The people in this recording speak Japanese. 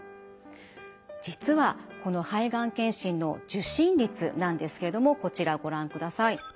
実はこの肺がん検診の受診率なんですけれどもこちらをご覧ください。